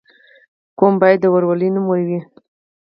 قوم باید د ورورولۍ نوم وي.